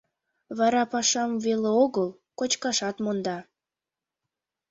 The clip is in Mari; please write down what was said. Вара пашам веле огыл — кочкашат монда.